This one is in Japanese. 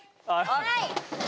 はい。